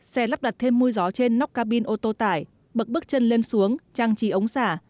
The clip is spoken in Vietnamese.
xe lắp đặt thêm môi gió trên nóc cabin ô tô tải bật bước chân lên xuống trang trí ống xả